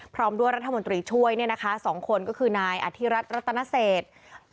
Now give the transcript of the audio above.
พร้อมด้วยรัฐมนตรีช่วยนะคะสองคนก็คือนายอธิรัตน์ระตานเศส